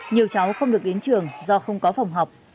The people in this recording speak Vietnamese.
nhiều cháu không được đến trường do không có phòng học